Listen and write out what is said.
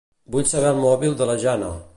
Vull saber el mòbil de la Jana.